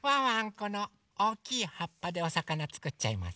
このおおきいはっぱでおさかなつくっちゃいます。